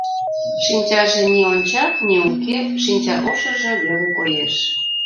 Шинчаже ни онча, ни уке, шинчаошыжо веле коеш.